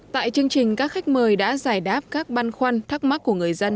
tại chương trình các khách mời đã giải đáp các băn khoăn thắc mắc của người dân